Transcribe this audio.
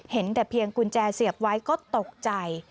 เห็นแต่เพียงกุญแจเสียบไว้ก็ตกใจ